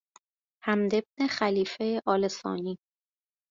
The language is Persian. حمد بن خلیفه آل ثانی